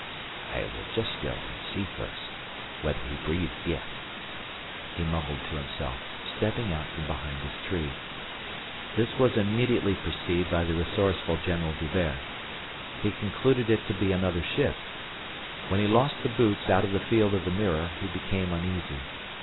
"I will just go and see first whether he breathes yet," he mumbled to himself, stepping out from behind his tree. This was immediately perceived by the resourceful General D'Hubert. He concluded it to be another shift. When he lost the boots out of the field of the mirror, he became uneasy.